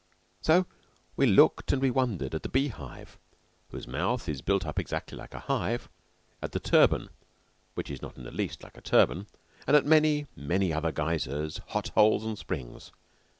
So we looked and we wondered at the Beehive, whose mouth is built up exactly like a hive, at the Turban (which is not in the least like a turban), and at many, many other geysers, hot holes, and springs.